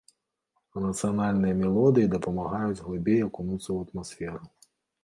А нацыянальныя мелодыі дапамагаюць глыбей акунуцца ў атмасферу.